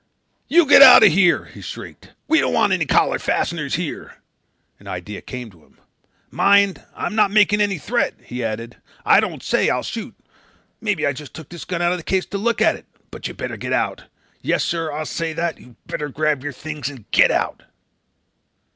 "You get out of here!" he shrieked. "We don't want any collar fasteners here." An idea came to him. "Mind, I'm not making any threat," he added. "I don't say I'll shoot. Maybe I just took this gun out of the case to look at it. But you better get out. Yes sir, I'll say that. You better grab up your things and get out."